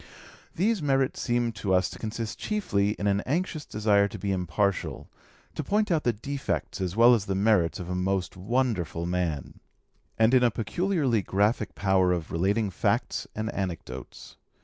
These merits seem to us to consist chiefly in an anxious desire to be impartial, to point out the defects as well as the merits of a most wonderful man; and in a peculiarly graphic power of relating facts and anecdotes.